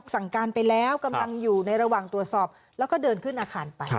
ค่ะค่ะค่ะค่ะค่ะค่ะค่ะค่ะค่ะค่ะค่ะค่ะค่ะค่ะ